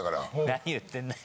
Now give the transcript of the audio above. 何言ってんだよ。